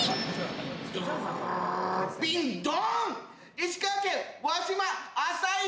石川県輪島朝市